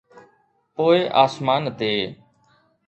پوءِ آسمان تي.